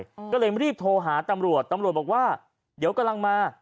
อืมก็เลยรีบโทรหาตำรวจตำรวจบอกว่าเดี๋ยวกำลังมา